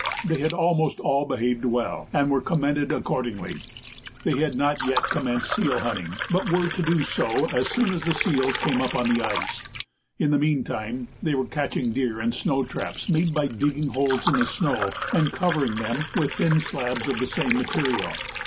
They had almost all behaved well, and were commended accordingly. They had not yet commenced seal hunting, but were to do so as soon as the seals came up on the ice; in the meantime they were catching deer in snow traps made by digging holes in the snow, and covering them with thin slabs of the same material.